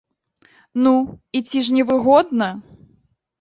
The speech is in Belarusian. Ну, і ці ж невыгодна?